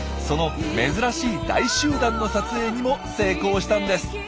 その珍しい大集団の撮影にも成功したんです。